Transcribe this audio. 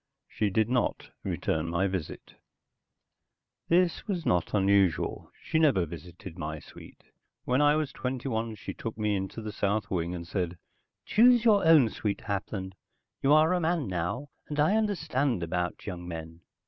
She did not return my visit. This was not unusual. She never visited my suite. When I was twenty one she took me into the south wing and said, "Choose your own suite, Hapland. You are a man now, and I understand about young men."